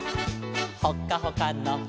「ほっかほかのほ」